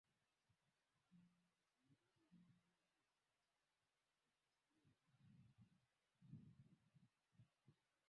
Umesimama kwa muda mrefu.